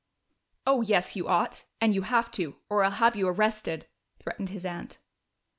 "Oh yes, you ought! And you have to, or I'll have you arrested," threatened his aunt.